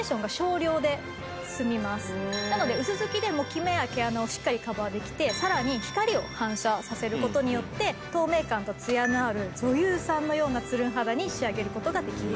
なので薄づきでもキメや毛穴をしっかりカバーできてさらに光を反射させる事によって透明感とツヤのある女優さんのようなツルン肌に仕上げる事ができます。